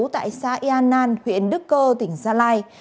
tại xã yên nan huyện đức cơ tỉnh gia lai